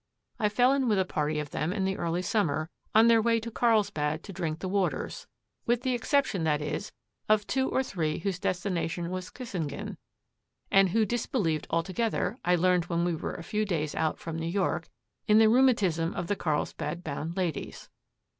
I fell in with a party of them in the early summer, on their way to Carlsbad to drink the waters; with the exception, that is, of two or three whose destination was Kissingen, and who disbelieved altogether, I learned when we were a few days out from New York, in the rheumatism of the Carlsbad bound ladies.